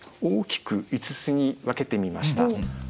大きく５つに分けてみました。